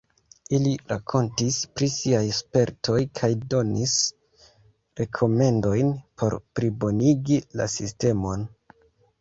Ili rakontis pri siaj spertoj kaj donis rekomendojn por plibonigi la sistemon.